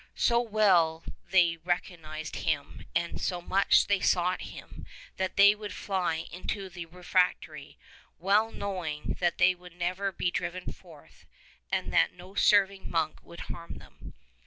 So well they recognized him and so much they sought him that they would fly into the re fectory, well knowing that they would never be driven forth and that no serving monk would harm them.